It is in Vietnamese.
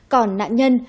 còn nạn nhân